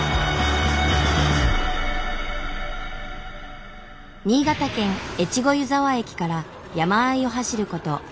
新潟県越後湯沢駅から山あいを走ること４０分。